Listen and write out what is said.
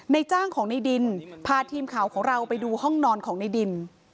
จ้างของในดินพาทีมข่าวของเราไปดูห้องนอนของในดิน